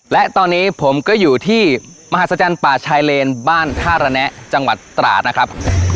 และตอนนี้ผมก็อยู่ที่มหาศจรรย์ป่าชายเลนบ้านท่าระแนะจังหวัดตราดนะครับ